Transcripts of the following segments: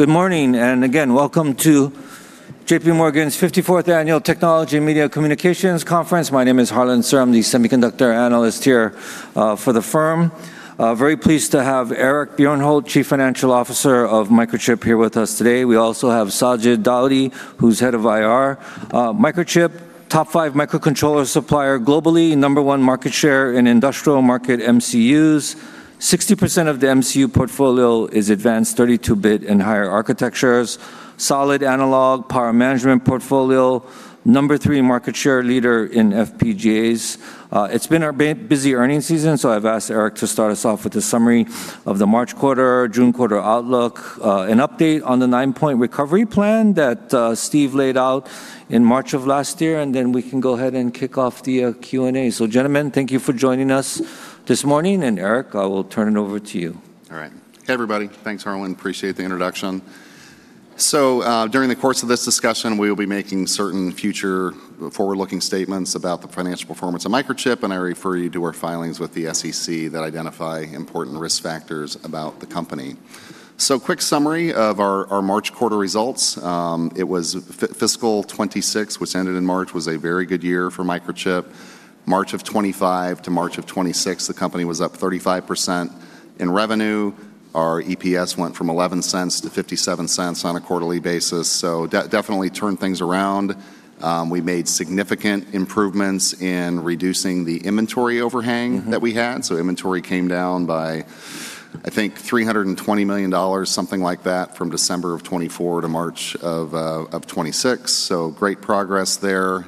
Good morning, and again, welcome to JPMorgan's 54th Annual Technology and Media Communications Conference. My name is Harlan Sur. I'm the semiconductor analyst here for the firm. Very pleased to have Eric Bjornholt, Chief Financial Officer of Microchip, here with us today. We also have Sajid Daudi, who's Head of IR. Microchip, top five microcontroller supplier globally, number 1 market share in industrial market MCUs. 60% of the MCU portfolio is advanced 32-bit and higher architectures. Solid analog power management portfolio. Number three market share leader in FPGAs. It's been a busy earnings season, so I've asked Eric to start us off with a summary of the March quarter, June quarter outlook, an update on the nine-point recovery plan that Steve laid out in March of last year, and then we can go ahead and kick off the Q&A. Gentlemen, thank you for joining us this morning. Eric, I will turn it over to you. All right. Hey, everybody. Thanks, Harlan. Appreciate the introduction. During the course of this discussion, we will be making certain future forward-looking statements about the financial performance of Microchip, and I refer you to our filings with the SEC that identify important risk factors about the company. Quick summary of our March quarter results. It was fiscal 2026, which ended in March, was a very good year for Microchip. March of 2025 to March of 2026, the company was up 35% in revenue. Our EPS went from $0.11 to $0.57 on a quarterly basis, definitely turned things around. We made significant improvements in reducing the inventory overhang that we had. Inventory came down by, I think, $320 million, something like that, from December of 2024 to March of 2026. Great progress there.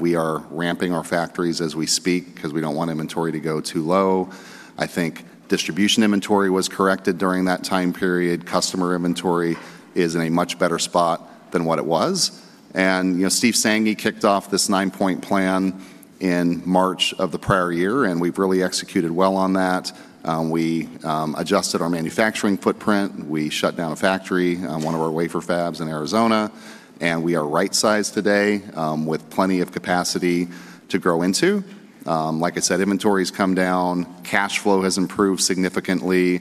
We are ramping our factories as we speak because we don't want inventory to go too low. I think distribution inventory was corrected during that time period. Customer inventory is in a much better spot than what it was. Steve Sanghi kicked off this nine-point plan in March of the prior year, and we've really executed well on that. We adjusted our manufacturing footprint. We shut down a factory, one of our wafer fabs in Arizona, and we are right-sized today with plenty of capacity to grow into. Like I said, inventory's come down. Cash flow has improved significantly.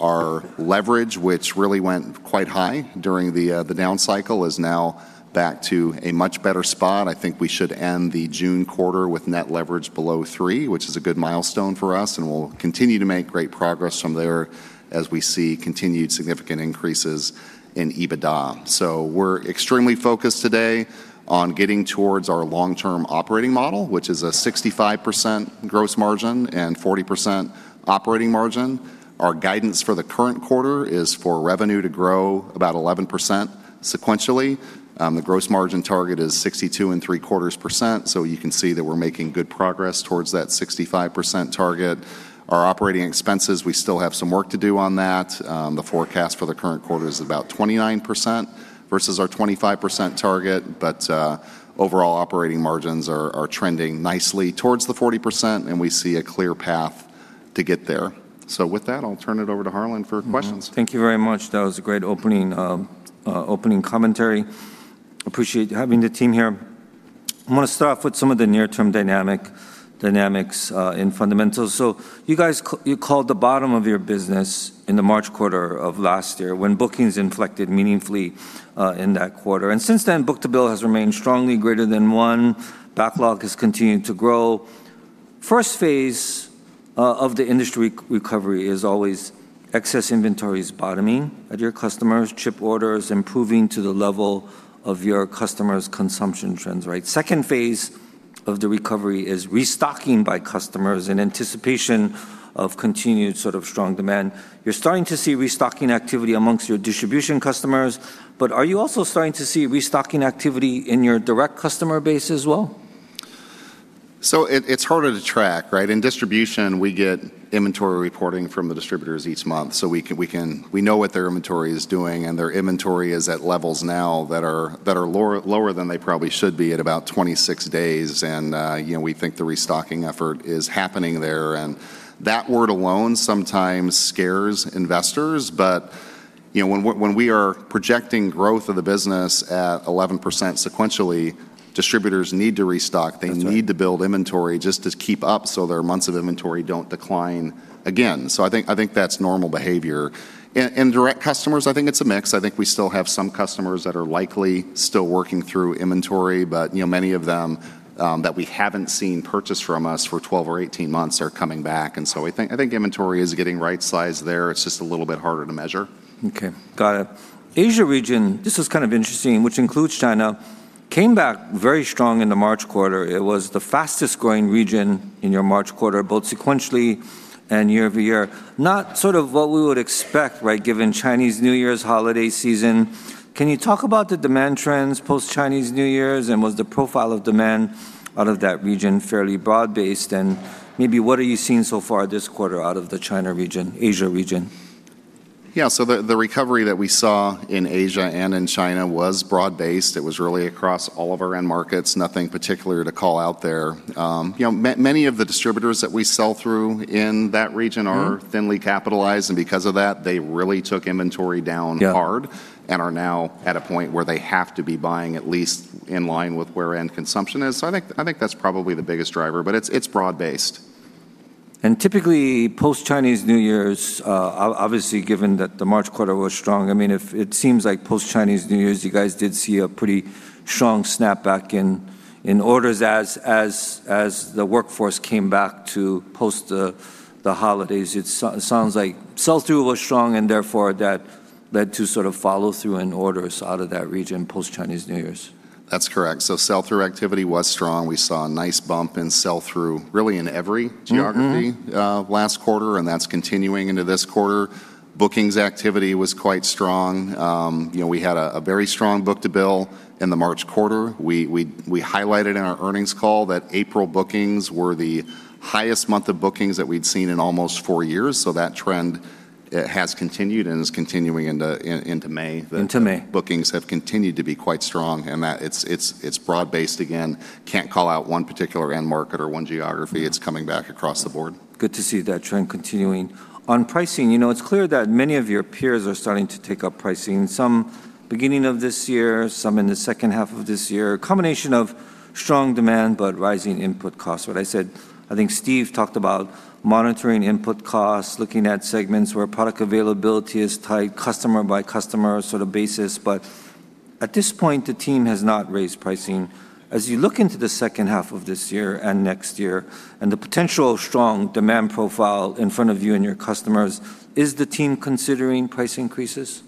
Our leverage, which really went quite high during the down cycle, is now back to a much better spot. I think we should end the June quarter with net leverage below three, which is a good milestone for us, and we'll continue to make great progress from there as we see continued significant increases in EBITDA. We're extremely focused today on getting towards our long-term operating model, which is a 65% gross margin and 40% operating margin. Our guidance for the current quarter is for revenue to grow about 11% sequentially. The gross margin target is 62.75%, so you can see that we're making good progress towards that 65% target. Our operating expenses, we still have some work to do on that. The forecast for the current quarter is about 29% versus our 25% target. Overall operating margins are trending nicely towards the 40%, and we see a clear path to get there. With that, I'll turn it over to Harlan for questions. Mm-hmm. Thank you very much. That was a great opening commentary. Appreciate having the team here. I want to start off with some of the near-term dynamics in fundamentals. You guys, you called the bottom of your business in the March quarter of last year, when bookings inflected meaningfully in that quarter. Since then, book-to-bill has remained strongly greater than one. Backlog has continued to grow. First phase of the industry recovery is always excess inventories bottoming at your customers, chip orders improving to the level of your customers' consumption trends, right? Second phase of the recovery is restocking by customers in anticipation of continued sort of strong demand. You're starting to see restocking activity amongst your distribution customers, but are you also starting to see restocking activity in your direct customer base as well? It's harder to track, right? In distribution, we get inventory reporting from the distributors each month, so we know what their inventory is doing, and their inventory is at levels now that are lower than they probably should be at about 26 days. We think the restocking effort is happening there, and that word alone sometimes scares investors. When we are projecting growth of the business at 11% sequentially, distributors need to restock. That's right. They need to build inventory just to keep up so their months of inventory don't decline again. I think that's normal behavior. In direct customers, I think it's a mix. I think we still have some customers that are likely still working through inventory, but many of them that we haven't seen purchase from us for 12 or 18 months are coming back. I think inventory is getting right-sized there. It's just a little bit harder to measure. Okay, got it. Asia region, this is kind of interesting, which includes China, came back very strong in the March quarter. It was the fastest-growing region in your March quarter, both sequentially and year-over-year. Not sort of what we would expect, right, given Chinese New Year's holiday season. Can you talk about the demand trends post Chinese New Year's, and was the profile of demand out of that region fairly broad-based? Maybe what are you seeing so far this quarter out of the China region, Asia region? The recovery that we saw in Asia and in China was broad-based. It was really across all of our end markets. Nothing particular to call out there. Many of the distributors that we sell through in that region are thinly capitalized, and because of that, they really took inventory down hard. Yeah Are now at a point where they have to be buying at least in line with where end consumption is. I think that's probably the biggest driver, but it's broad based. Typically, post-Chinese New Year's, obviously given that the March quarter was strong, it seems like post-Chinese New Year's, you guys did see a pretty strong snapback in orders as the workforce came back to post the holidays. It sounds like sell-through was strong and therefore that led to sort of follow-through in orders out of that region post-Chinese New Year's. That's correct. Sell-through activity was strong. We saw a nice bump in sell-through really in every geography last quarter, and that's continuing into this quarter. Bookings activity was quite strong. We had a very strong book-to-bill in the March quarter. We highlighted in our earnings call that April bookings were the highest month of bookings that we'd seen in almost four years. That trend has continued and is continuing into May. Into May. Bookings have continued to be quite strong. It's broad-based again. Can't call out one particular end market or one geography. It's coming back across the board. Good to see that trend continuing. On pricing, it's clear that many of your peers are starting to take up pricing, some beginning of this year, some in the second half of this year, a combination of strong demand, but rising input costs. What I said, I think Steve talked about monitoring input costs, looking at segments where product availability is tight, customer-by-customer sort of basis. At this point, the team has not raised pricing. As you look into the second half of this year and next year, and the potential strong demand profile in front of you and your customers, is the team considering price increases?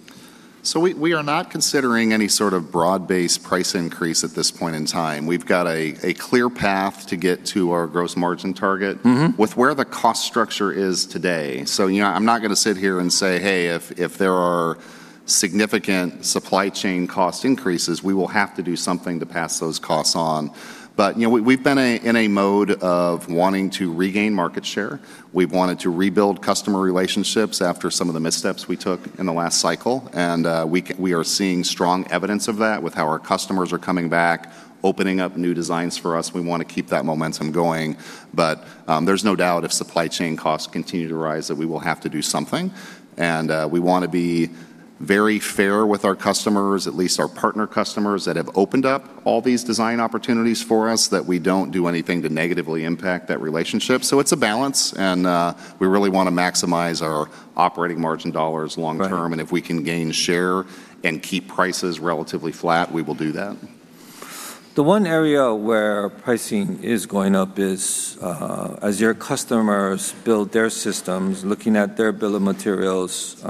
We are not considering any sort of broad-based price increase at this point in time. We've got a clear path to get to our gross margin target with where the cost structure is today. I'm not going to sit here and say, "Hey, if there are significant supply chain cost increases, we will have to do something to pass those costs on." We've been in a mode of wanting to regain market share. We've wanted to rebuild customer relationships after some of the missteps we took in the last cycle, and we are seeing strong evidence of that with how our customers are coming back, opening up new designs for us. We want to keep that momentum going. There's no doubt if supply chain costs continue to rise, that we will have to do something, and we want to be very fair with our customers, at least our partner customers that have opened up all these design opportunities for us, that we don't do anything to negatively impact that relationship. It's a balance, and we really want to maximize our operating margin dollars long term, and if we can gain share and keep prices relatively flat, we will do that. The one area where pricing is going up is as your customers build their systems, looking at their bill of materials,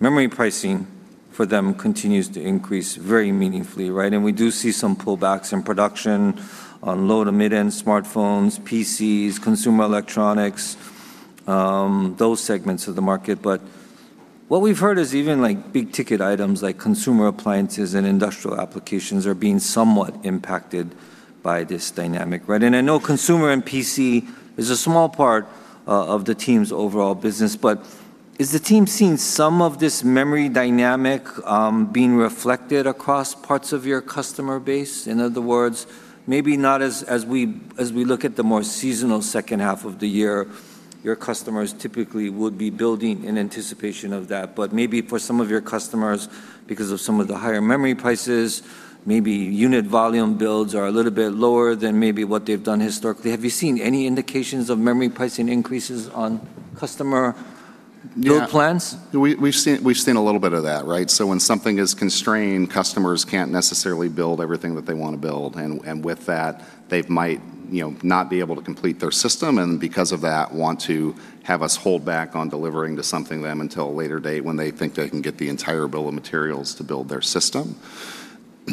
memory pricing for them continues to increase very meaningfully, right? We do see some pullbacks in production on low- to mid-end smartphones, PCs, consumer electronics, those segments of the market. What we've heard is even big-ticket items like consumer appliances and industrial applications are being somewhat impacted by this dynamic, right? I know consumer and PC is a small part of the team's overall business, but is the team seeing some of this memory dynamic being reflected across parts of your customer base? In other words, maybe not as we look at the more seasonal second half of the year, your customers typically would be building in anticipation of that. Maybe for some of your customers, because of some of the higher memory prices, maybe unit volume builds are a little bit lower than maybe what they've done historically. Have you seen any indications of memory pricing increases on customer build plans? Yeah. When something is constrained, customers can't necessarily build everything that they want to build, and with that, they might not be able to complete their system, and because of that, want to have us hold back on delivering to some of them until a later date when they think they can get the entire bill of materials to build their system.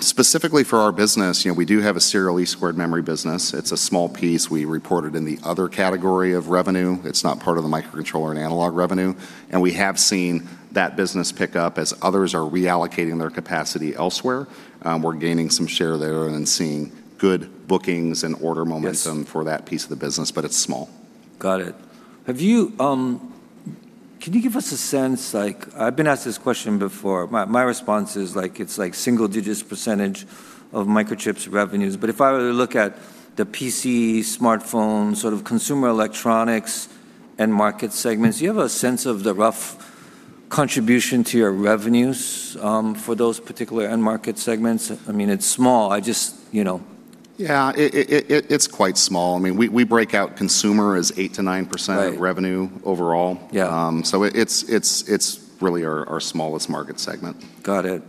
Specifically for our business, we do have a serial EEPROM business. It's a small piece we reported in the other category of revenue. It's not part of the microcontroller and analog revenue, and we have seen that business pick up as others are reallocating their capacity elsewhere. We're gaining some share there and seeing good bookings and order momentum for that piece of the business, but it's small. Got it. Can you give us a sense, like, I've been asked this question before. My response is it's like single digits percentage of Microchip's revenues. If I were to look at the PC, smartphone, sort of consumer electronics end market segments, do you have a sense of the rough contribution to your revenues for those particular end market segments? I mean, it's small. I just, you know. Yeah. It's quite small. We break out consumer as 8%-9% of revenue overall. Yeah. It's really our smallest market segment. Got it.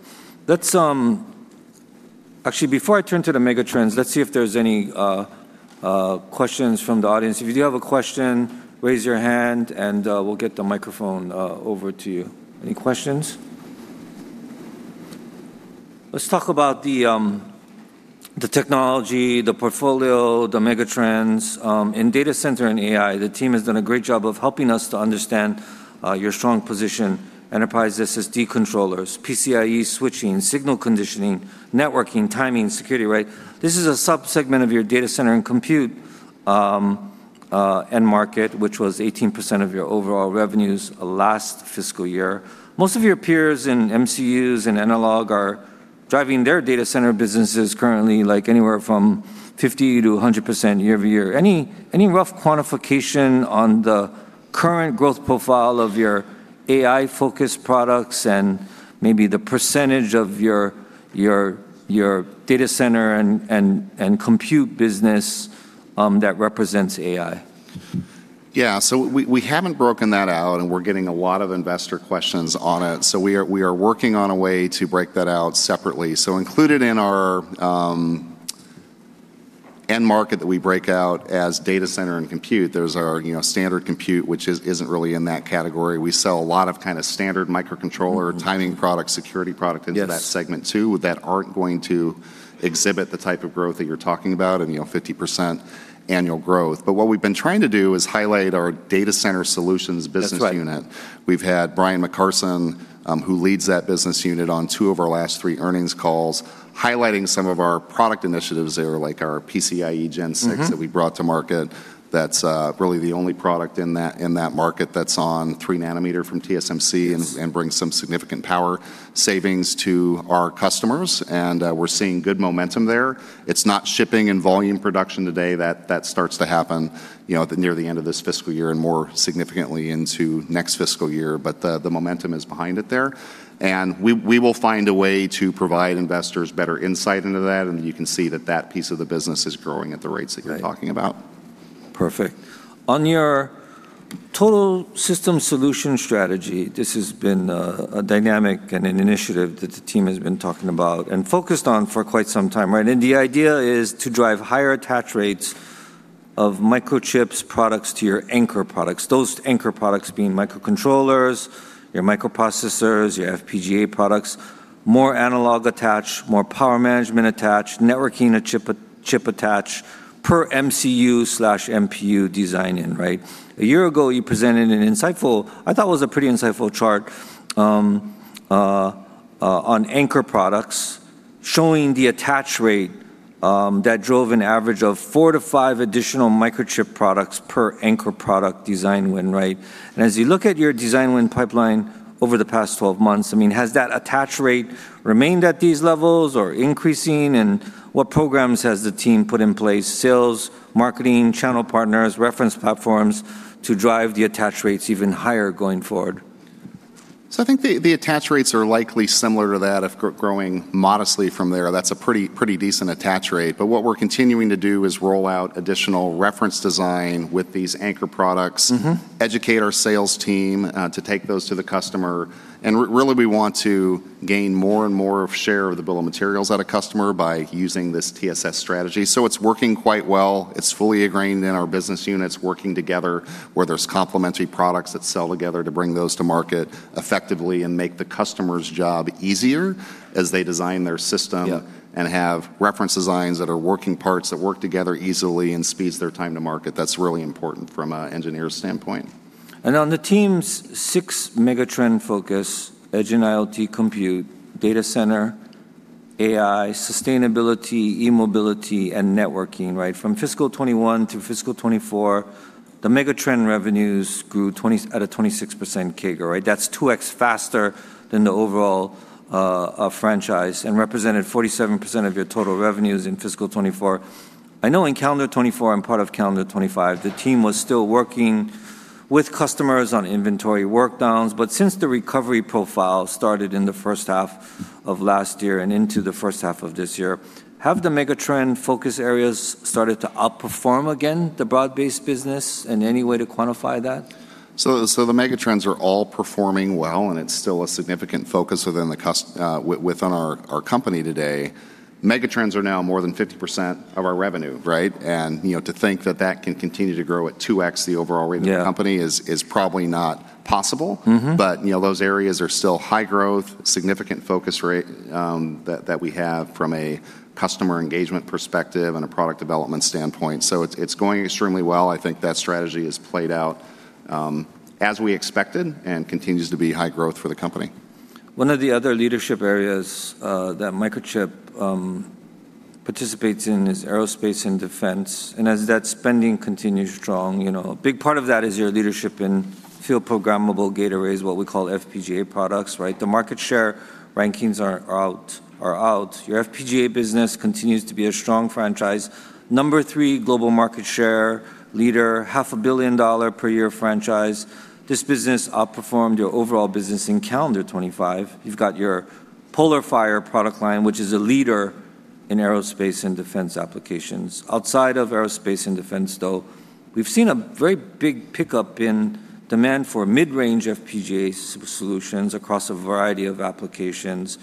Actually, before I turn to the mega trends, let's see if there's any questions from the audience. If you do have a question, raise your hand, and we'll get the microphone over to you. Any questions? Let's talk about the technology, the portfolio, the mega trends. In data center and AI, the team has done a great job of helping us to understand your strong position, enterprise SSD controllers, PCIe switching, signal conditioning, networking, timing, security, right? This is a subsegment of your data center and compute end market, which was 18% of your overall revenues last fiscal year. Most of your peers in MCUs and analog are driving their data center businesses currently like anywhere from 50%-100% year-over-year. Any rough quantification on the current growth profile of your AI-focused products and maybe the percentage of your data center and compute business that represents AI. Yeah. We haven't broken that out, and we're getting a lot of investor questions on it. We are working on a way to break that out separately. Included in our end market that we break out as data center and compute, there's our standard compute, which isn't really in that category. We sell a lot of standard microcontroller timing product, security product into that segment too, that aren't going to exhibit the type of growth that you're talking about and 50% annual growth. What we've been trying to do is highlight our Data Center Solutions Business Unit. That's right. We've had Brian McCarson, who leads that business unit on two of our last three earnings calls, highlighting some of our product initiatives there, like our PCIe Gen 6. that we brought to market. That's really the only product in that market that's on 3 nm from TSMC. Yes It brings some significant power savings to our customers, and we're seeing good momentum there. It's not shipping in volume production today. That starts to happen near the end of this fiscal year, and more significantly into next fiscal year. The momentum is behind it there. We will find a way to provide investors better insight into that, and you can see that piece of the business is growing at the rates that you're talking about. Great. Perfect. On your Total System Solution Strategy, this has been a dynamic and an initiative that the team has been talking about and focused on for quite some time, right? The idea is to drive higher attach rates of Microchip's products to your anchor products, those anchor products being microcontrollers, your microprocessors, your FPGA products, more analog attach, more power management attach, networking chip attach per MCU/MPU design in, right? A year ago, you presented an insightful, I thought was a pretty insightful chart on anchor products, showing the attach rate that drove an average of four to five additional Microchip products per anchor product design win, right? As you look at your design win pipeline over the past 12 months, has that attach rate remained at these levels or increasing? What programs has the team put in place, sales, marketing, channel partners, reference platforms, to drive the attach rates even higher going forward? I think the attach rates are likely similar to that, growing modestly from there. That's a pretty decent attach rate. What we're continuing to do is roll out additional reference design with these anchor products. Educate our sales team to take those to the customer. We want to gain more and more of share of the bill of materials at a customer by using this TSS strategy. It's working quite well. It's fully ingrained in our business units working together, where there's complementary products that sell together to bring those to market effectively and make the customer's job easier as they design their system. Yeah Have reference designs that are working parts that work together easily and speeds their time to market. That's really important from an engineer's standpoint. On the team's six megatrend focus, edge and IoT compute, data center, AI, sustainability, e-mobility, and networking. From fiscal 2021 to fiscal 2024, the megatrend revenues grew at a 26% CAGR. That's 2x faster than the overall franchise and represented 47% of your total revenues in fiscal 2024. I know in calendar 2024 and part of calendar 2025, the team was still working with customers on inventory work downs, but since the recovery profile started in the first half of last year and into the first half of this year, have the megatrend focus areas started to outperform again the broad-based business, and any way to quantify that? The megatrends are all performing well, and it's still a significant focus within our company today. Megatrends are now more than 50% of our revenue, right? To think that that can continue to grow at 2x the overall rate of the company is probably not possible. Those areas are still high growth, significant focus rate that we have from a customer engagement perspective and a product development standpoint. It's going extremely well. I think that strategy has played out as we expected and continues to be high growth for the company. One of the other leadership areas that Microchip participates in is Aerospace and Defense, as that spending continues strong, a big part of that is your leadership in field programmable gate arrays, what we call FPGA products, right? The market share rankings are out. Your FPGA business continues to be a strong franchise. Number three global market share leader, half a billion dollar per year franchise. This business outperformed your overall business in calendar 2025. You've got your PolarFire product line, which is a leader in Aerospace and Defense applications. Outside of Aerospace and Defense, though, we've seen a very big pickup in demand for mid-range FPGA solutions across a variety of applications.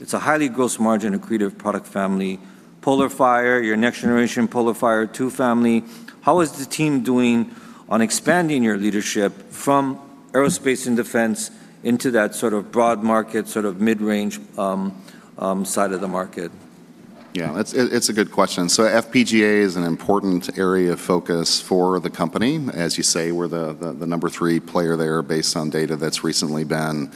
It's a highly gross margin accretive product family. PolarFire, your next generation PolarFire 2 family. How is the team doing on expanding your leadership from aerospace and defense into that sort of broad market, sort of mid-range side of the market? Yeah. It's a good question. FPGA is an important area of focus for the company. As you say, we're the number three player there based on data that's recently been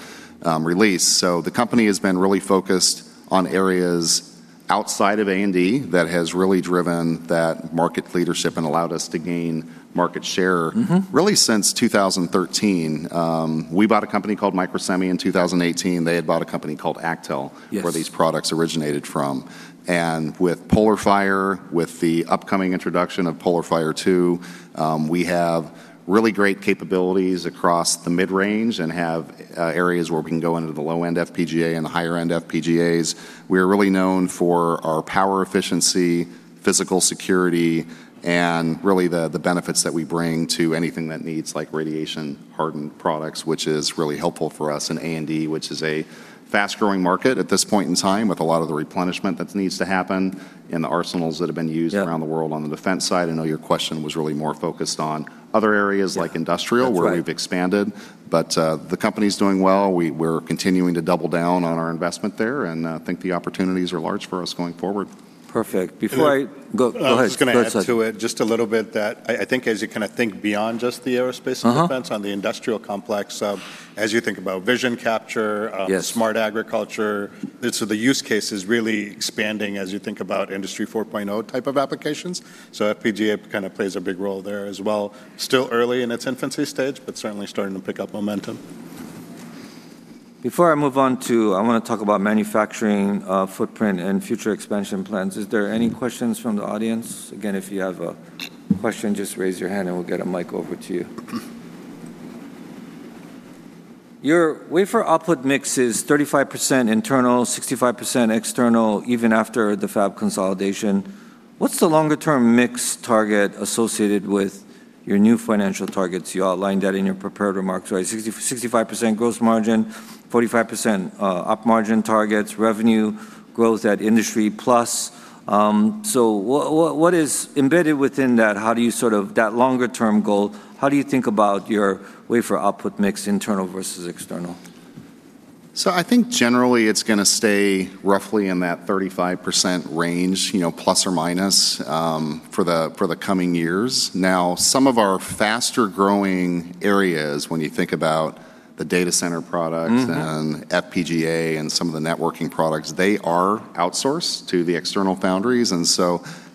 released. The company has been really focused on areas outside of A&D that has really driven that market leadership and allowed us to gain market share. Really since 2013. We bought a company called Microsemi in 2018. They had bought a company called Actel. Yes Where these products originated from. With PolarFire, with the upcoming introduction of PolarFire 2, we have really great capabilities across the mid-range and have areas where we can go into the low-end FPGA and the higher-end FPGAs. We are really known for our power efficiency, physical security, and really the benefits that we bring to anything that needs radiation-hardened products, which is really helpful for us in A&D, which is a fast-growing market at this point in time, with a lot of the replenishment that needs to happen in the arsenals that have been used around the world on the defense side. I know your question was really more focused on other areas like industrial- That's right. Where we've expanded. The company's doing well. We're continuing to double down on our investment there, and I think the opportunities are large for us going forward. Perfect. Go ahead. I was just going to add to it just a little bit that I think as you think beyond just the Aerospace and Defense on the industrial complex, as you think about vision capture, smart agriculture, so the use case is really expanding as you think about Industry 4.0 type of applications. FPGA kind of plays a big role there as well. Still early in its infancy stage, but certainly starting to pick up momentum. Before I move on, I want to talk about manufacturing footprint and future expansion plans. Is there any questions from the audience? Again, if you have a question, just raise your hand and we'll get a mic over to you. Your wafer output mix is 35% internal, 65% external, even after the fab consolidation. What's the longer-term mix target associated with your new financial targets? You outlined that in your prepared remarks, right? 65% gross margin, 45% op margin targets, revenue growth at industry plus. What is embedded within that? That longer-term goal, how do you think about your wafer output mix internal versus external? I think generally it's going to stay roughly in that 35% range, ±, for the coming years. Now, some of our faster-growing areas, when you think about the data center products. FPGA and some of the networking products, they are outsourced to the external foundries.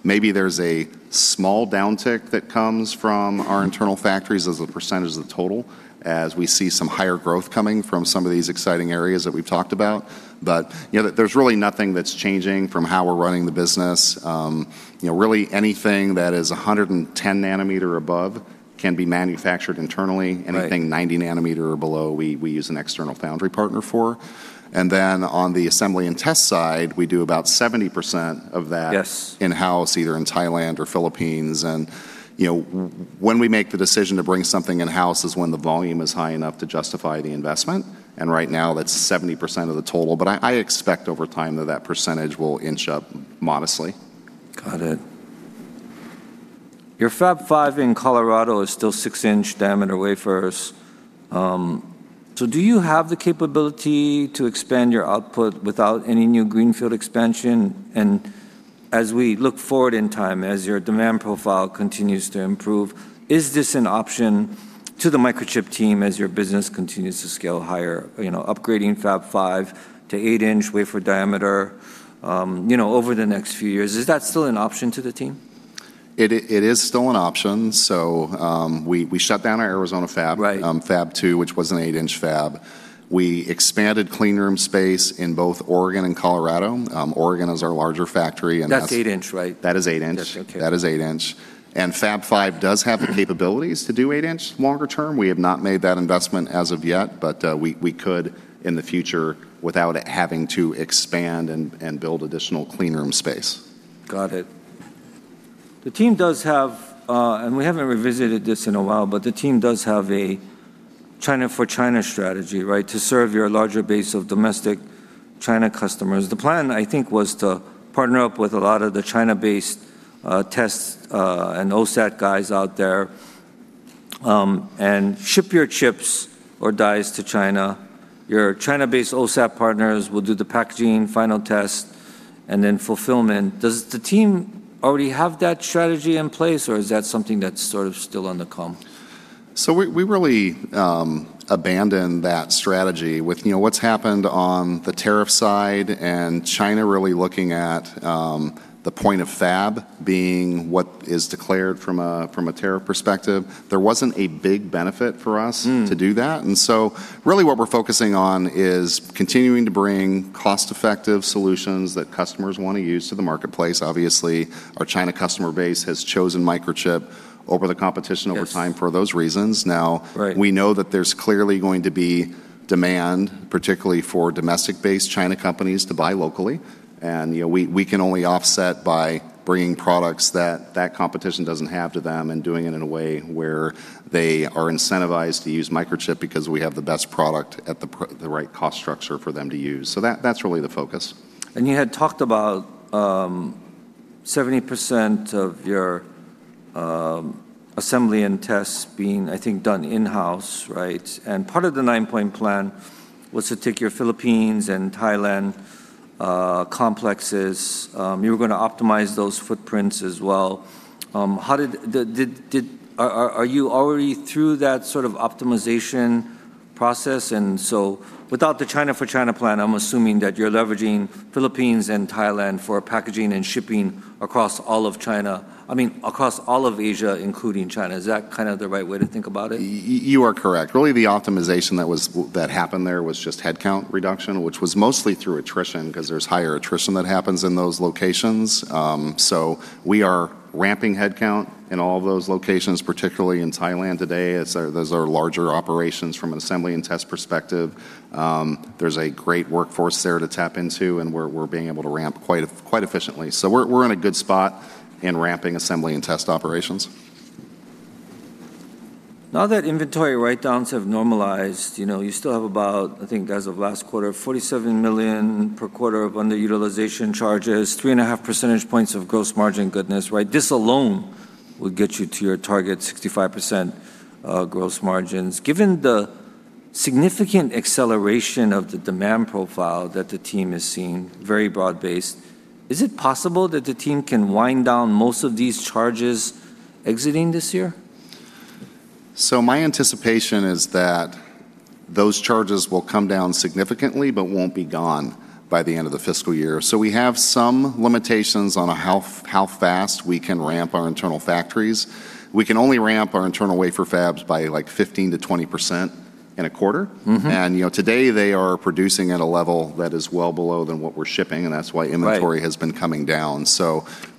Maybe there's a small downtick that comes from our internal factories as a percentage of the total, as we see some higher growth coming from some of these exciting areas that we've talked about. There's really nothing that's changing from how we're running the business. Really anything that is 110 nm above can be manufactured internally. Right. Anything 90 nm below, we use an external foundry partner for. Then on the assembly and test side, we do about 70% of that. Yes in-house, either in Thailand or Philippines. When we make the decision to bring something in-house is when the volume is high enough to justify the investment. Right now, that's 70% of the total. I expect over time that that percentage will inch up modestly. Got it. Your Fab 5 in Colorado is still 6-inch diameter wafers. Do you have the capability to expand your output without any new greenfield expansion? As we look forward in time, as your demand profile continues to improve, is this an option to the Microchip team as your business continues to scale higher, upgrading Fab 5 to 8-inch wafer diameter over the next few years? Is that still an option to the team? It is still an option. We shut down our Arizona fab. Right. Fab 2, which was an 8-inch fab. We expanded clean room space in both Oregon and Colorado. Oregon is our larger factory. That's 8 inch, right? That is 8 inch. That's okay. That is 8-inch. Fab 5 does have the capabilities to do 8-inch longer term. We have not made that investment as of yet, but we could in the future without having to expand and build additional clean room space. Got it. The team does have, and we haven't revisited this in a while, but the team does have a China for China strategy, right? To serve your larger base of domestic China customers. The plan, I think, was to partner up with a lot of the China-based tests and OSAT guys out there, and ship your chips or dies to China. Your China-based OSAT partners will do the packaging, final test, and then fulfillment. Does the team already have that strategy in place, or is that something that's sort of still on the come? We really abandoned that strategy. With what's happened on the tariff side and China really looking at the point of fab being what is declared from a tariff perspective, there wasn't a big benefit for us to do that. Really what we're focusing on is continuing to bring cost-effective solutions that customers want to use to the marketplace. Obviously, our China customer base has chosen Microchip over the competition. Yes over time for those reasons. Right We know that there's clearly going to be demand, particularly for domestic-based China companies, to buy locally, and we can only offset by bringing products that that competition doesn't have to them and doing it in a way where they are incentivized to use Microchip because we have the best product at the right cost structure for them to use. That's really the focus. You had talked about 70% of your assembly and tests being, I think, done in-house, right? Part of the nine-point plan was to take your Philippines and Thailand complexes. You were going to optimize those footprints as well. Are you already through that sort of optimization process. Without the China for China plan, I'm assuming that you're leveraging Philippines and Thailand for packaging and shipping across all of Asia, including China. Is that the right way to think about it? You are correct. Really, the optimization that happened there was just headcount reduction, which was mostly through attrition, because there's higher attrition that happens in those locations. We are ramping headcount in all of those locations, particularly in Thailand today, as those are larger operations from an assembly and test perspective. There's a great workforce there to tap into, and we're being able to ramp quite efficiently. We're in a good spot in ramping assembly and test operations. Now that inventory write-downs have normalized, you still have about, I think as of last quarter, $47 million per quarter of underutilization charges, 3.5 percentage points of gross margin goodness, right? This alone will get you to your target 65% gross margins. Given the significant acceleration of the demand profile that the team is seeing, very broad-based, is it possible that the team can wind down most of these charges exiting this year? My anticipation is that those charges will come down significantly but won't be gone by the end of the fiscal year. We have some limitations on how fast we can ramp our internal factories. We can only ramp our internal wafer fabs by 15%-20% in a quarter. Today they are producing at a level that is well below than what we're shipping, and that's why inventory has been coming down.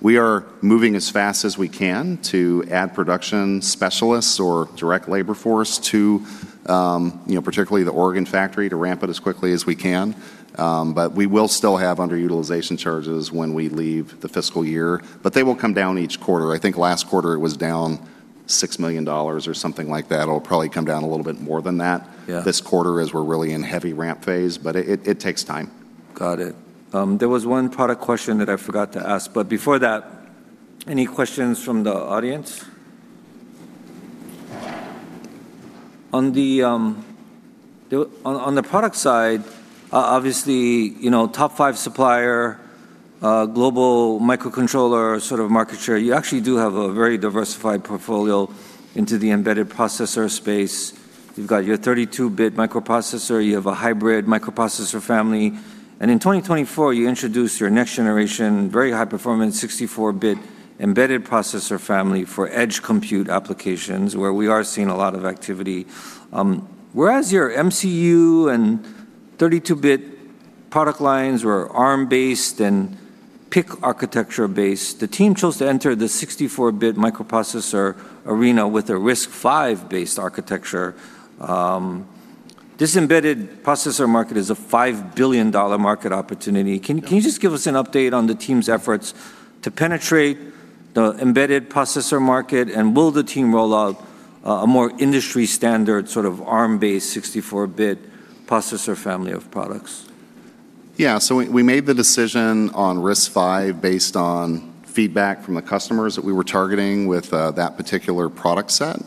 We are moving as fast as we can to add production specialists or direct labor force to, particularly the Oregon factory, to ramp it as quickly as we can. We will still have underutilization charges when we leave the fiscal year, but they will come down each quarter. I think last quarter it was down $6 million or something like that. It'll probably come down a little bit more than that. Yeah This quarter, as we're really in heavy ramp phase, but it takes time. Got it. There was one product question that I forgot to ask, but before that, any questions from the audience? On the product side, obviously, top five supplier, global microcontroller sort of market share. You actually do have a very diversified portfolio into the embedded processor space. You've got your 32-bit microprocessor, you have a hybrid microprocessor family. In 2024, you introduced your next generation, very high-performance 64-bit embedded processor family for edge compute applications, where we are seeing a lot of activity. Your MCU and 32-bit product lines were Arm-based and PIC architecture-based, the team chose to enter the 64-bit microprocessor arena with a RISC-V based architecture. This embedded processor market is a $5 billion market opportunity. Can you just give us an update on the team's efforts to penetrate the embedded processor market, and will the team roll out a more industry standard sort of Arm-based 64-bit processor family of products? Yeah. We made the decision on RISC-V based on feedback from the customers that we were targeting with that particular product set.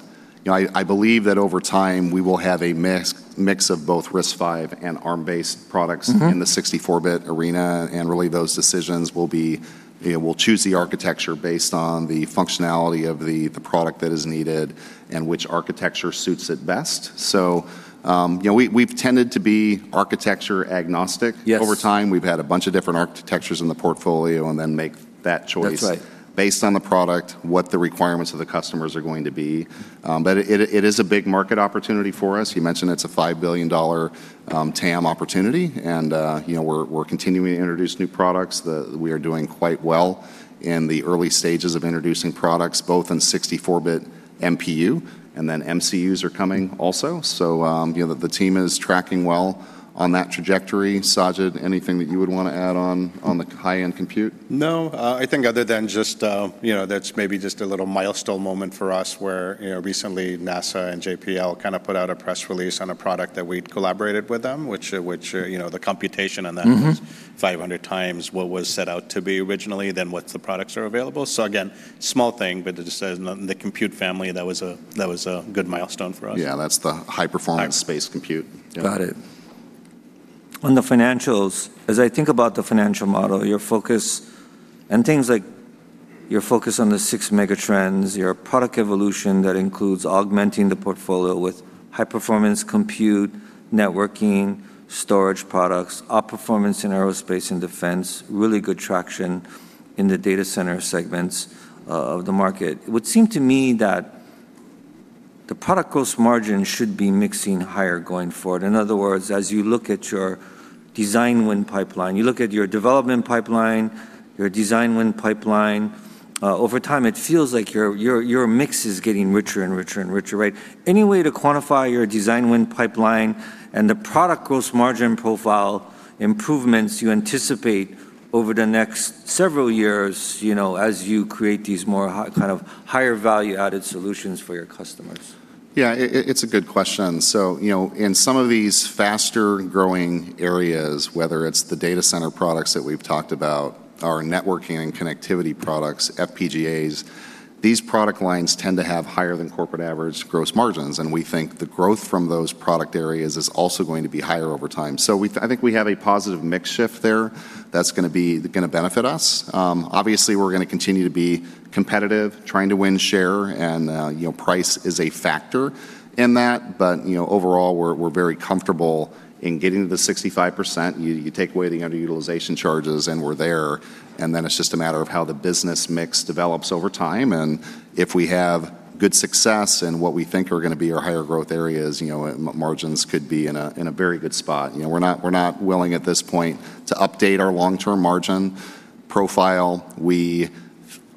I believe that over time we will have a mix of both RISC-V and Arm-based products in the 64-bit arena, and really those decisions will choose the architecture based on the functionality of the product that is needed and which architecture suits it best. We've tended to be architecture-agnostic. Yes Over time. We've had a bunch of different architectures in the portfolio and then make that choice. That's right. based on the product, what the requirements of the customers are going to be. It is a big market opportunity for us. You mentioned it's a $5 billion TAM opportunity and we're continuing to introduce new products. We are doing quite well in the early stages of introducing products, both in 64-bit MPU and then MCUs are coming also. The team is tracking well on that trajectory. Sajid, anything that you would want to add on the high-end compute? No. I think other than just that's maybe just a little milestone moment for us where recently NASA and JPL kind of put out a press release on a product that we'd collaborated with them was 500 times what was set out to be originally than what the products are available. Again, small thing, but just as in the compute family, that was a good milestone for us. Yeah. High space compute. Yeah. Got it. On the financials, as I think about the financial model, your focus and things like your focus on the six mega trends, your product evolution that includes augmenting the portfolio with high-performance compute, networking, storage products, our performance in aerospace and defense, really good traction in the data center segments of the market. It would seem to me that the product cost margin should be mixing higher going forward. In other words, as you look at your design win pipeline, you look at your development pipeline, your design win pipeline, over time it feels like your mix is getting richer and richer and richer, right? Any way to quantify your design win pipeline and the product gross margin profile improvements you anticipate over the next several years, as you create these more kind of higher value-added solutions for your customers? Yeah. It's a good question. In some of these faster-growing areas, whether it's the data center products that we've talked about, our networking and connectivity products, FPGAs, these product lines tend to have higher than corporate average gross margins, and we think the growth from those product areas is also going to be higher over time. I think we have a positive mix shift there that's going to benefit us. Obviously, we're going to continue to be competitive, trying to win share and price is a factor in that. Overall, we're very comfortable in getting to the 65%. You take away the underutilization charges and we're there, and then it's just a matter of how the business mix develops over time and if we have good success in what we think are going to be our higher growth areas, margins could be in a very good spot. We're not willing at this point to update our long-term margin profile. We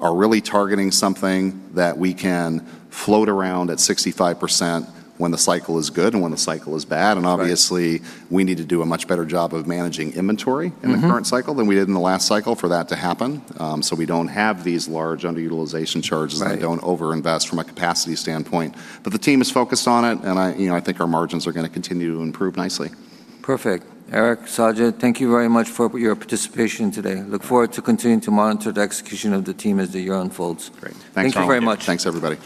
are really targeting something that we can float around at 65% when the cycle is good and when the cycle is bad. Right. Obviously, we need to do a much better job of managing inventory. In the current cycle than we did in the last cycle for that to happen, so we don't have these large underutilization charges. Right We don't over-invest from a capacity standpoint. The team is focused on it and I think our margins are going to continue to improve nicely. Perfect. Eric, Sajid, thank you very much for your participation today. Look forward to continuing to monitor the execution of the team as the year unfolds. Great. Thanks. Thank you very much. Thanks everybody.